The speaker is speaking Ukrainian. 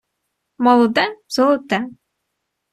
Молоде — золоте.